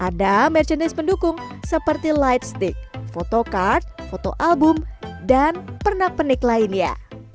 ada merchandise pendukung seperti light stick foto card foto album dan pernak penik lainnya